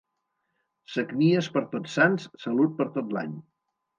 Sagnies per Tots Sants, salut per tot l'any.